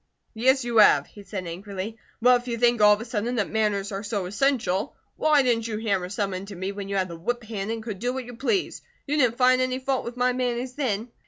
"Yes, you have," he said, angrily. "But if you think all of a sudden that manners are so essential, why didn't you hammer some into me when you had the whip hand and could do what you pleased? You didn't find any fault with my manners, then."